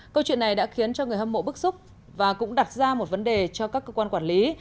câu chuyện này đã khiến cho người hâm mộ bức xúc và cũng đặt ra một vấn đề cho các cơ quan quản lý